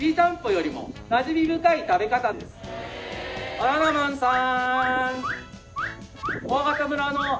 バナナマンさん！